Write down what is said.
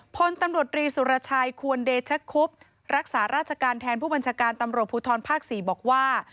พลตำรวจรีสุรชัยควรเดชคุบรักษาราชการแทนผู้บัญชาการตำรวจภูทรภาค๔บอกว่า